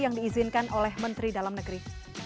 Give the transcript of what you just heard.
yang diizinkan oleh menteri dalam negeri